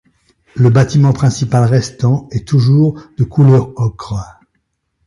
Le bâtiment principal restant est toujours de couleur ocre.